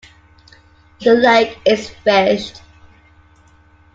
The lake is fished.